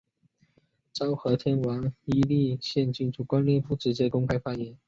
昭和天皇依立宪君主惯例不直接公开发言。